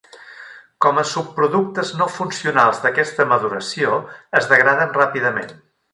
Com a subproductes no funcionals d'aquesta maduració, es degraden ràpidament.